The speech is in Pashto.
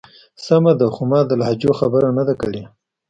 سمه ده. خو ما د لهجو خبره نه ده کړی.